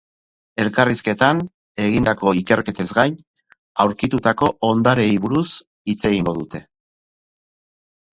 Elkarrizketan, egindako ikerketez gain, aurkitutako hondareei buruz hitz egingo dute.